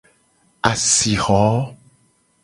Asixo.